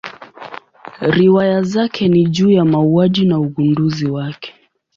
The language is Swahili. Riwaya zake ni juu ya mauaji na ugunduzi wake.